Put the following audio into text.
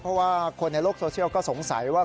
เพราะว่าคนในโลกโซเชียลก็สงสัยว่า